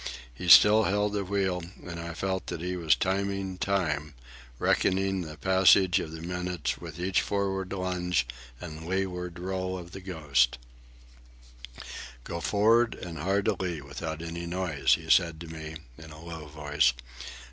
He still held the wheel, and I felt that he was timing Time, reckoning the passage of the minutes with each forward lunge and leeward roll of the Ghost. "Go for'ard and hard alee without any noise," he said to me in a low voice.